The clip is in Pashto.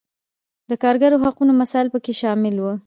د کارګرو حقونو مسایل پکې شامل وو.